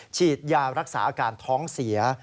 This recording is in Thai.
ฉีดยารักษาอาการท้องเสีย